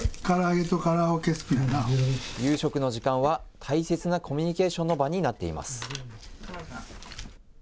夕食の時間は大切なコミュニケーションの場になっています。